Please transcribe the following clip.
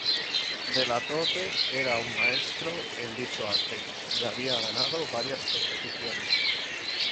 De la Torre era un maestro en dicho arte y había ganado varias competiciones.